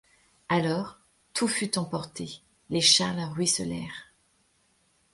Alors, tout fut emporté, les Charles ruisselèrent.